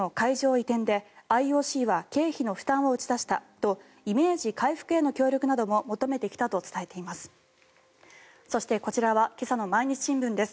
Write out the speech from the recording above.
移転でＩＯＣは経費負担を打ち出したとイメージ回復への協力なども求めてきたと伝えています。